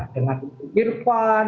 dengan ibu irfan